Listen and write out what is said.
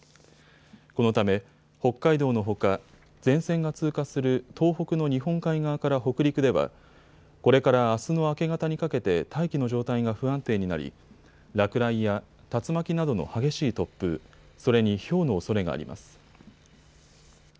このため北海道のほか前線が通過する東北の日本海側から北陸ではこれからあすの明け方にかけて大気の状態が不安定になり落雷や竜巻などの激しい突風、それにひょうのおそれがあります。